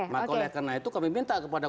maka oleh karena itu kami minta kepada